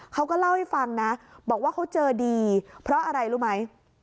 เขาก็เล่าให้ฟังนะบอกว่าเขาเจอดีเพราะอะไรรู้ไหม